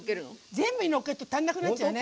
全部にのっけると足らなくなっちゃうよね。